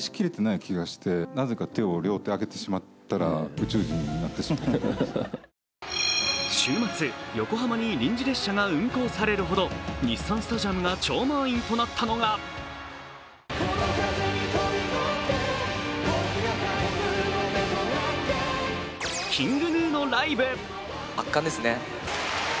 永山瑛太さんはレッドカーペットを歩いた際に週末、横浜に臨時列車が運行されるほど日産スタジアムが超満員となったのがＫｉｎｇＧｎｕのライブ。